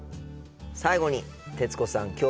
最後に徹子さん